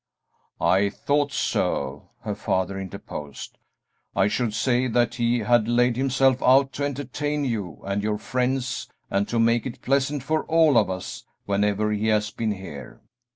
"I thought so," her father interposed; "I should say that he had laid himself out to entertain you and your friends and to make it pleasant for all of us whenever he has been here.